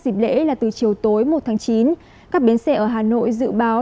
dịp lễ là từ chiều tối một tháng chín các bến xe ở hà nội dự báo